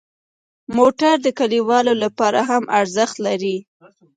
موټر د کلیوالو لپاره هم ارزښت لري.